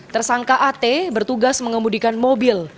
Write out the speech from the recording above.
tersangka at bertugas mengemudikan mobil